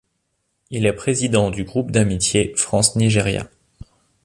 Il est président du Groupe d'amitié France - Nigéria.